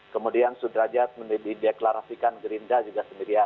kemudian sudrajat dideklarasikan gerindra juga sendirian